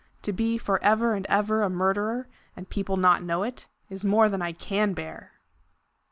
To be for ever and ever a murderer and people not know it, is more than I CAN bear."